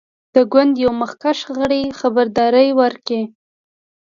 د ګوند یوه مخکښ غړي خبرداری ورکړ.